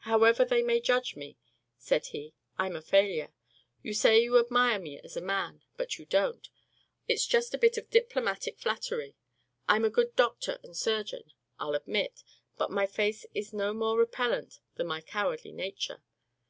"However they may judge me," said he, "I'm a failure. You say you admire me as a man, but you don't. It's just a bit of diplomatic flattery. I'm a good doctor and surgeon, I'll admit, but my face is no more repellent than my cowardly nature.